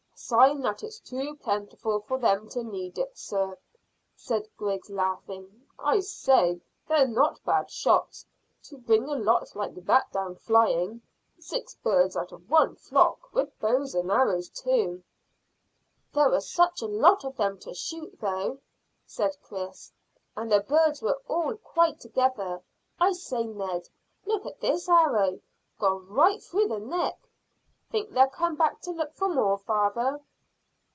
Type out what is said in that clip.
"Sign that it's too plentiful for them to need it, sir," said Griggs, laughing. "I say; they're not bad shots, to bring a lot like that down flying. Six birds out of one flock, with bows and arrows too." "There were such a lot of them to shoot, though," said Chris, "and the birds were all quite together. I say, Ned, look at this arrow. Gone right through the neck. Think they'll come back to look for more, father?"